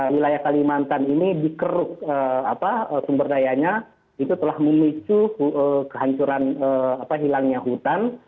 wilayah kalimantan ini dikeruk sumber dayanya itu telah memicu kehancuran hilangnya hutan